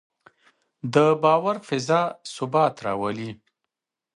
د باور فضا ثبات راولي